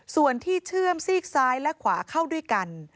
ส่วนที่เชื่อมซีกซ้ายและขวาเข้าด้วยกัน